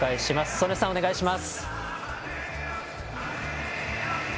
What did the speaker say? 曽根さん、お願いします。